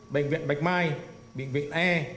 bệnh viện bạch mai bệnh viện e